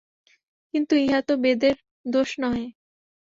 কিন্তু ইহা তো বেদের দোষ নহে।